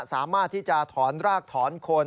สามารถที่จะถอนรากถอนคน